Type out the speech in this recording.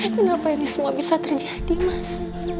kenapa ini semua bisa terjadi mas